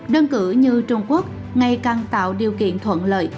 đơn cử như trung quốc ngày càng tạo điều kiện thuận lợi